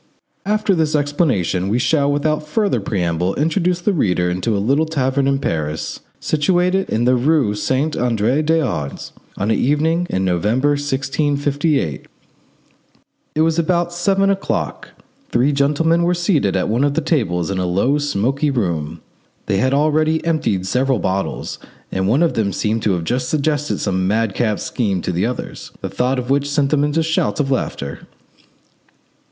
After this explanation, we shall, without further preamble, introduce the reader to a little tavern in Paris, situated in the rue Saint Andre des Arts, on an evening in November 1658. It was about seven o'clock. Three gentlemen were seated at one of the tables in a low, smoky room. They had already emptied several bottles, and one of them seemed to have just suggested some madcap scheme to the others, the thought of which sent them off into shouts of laughter.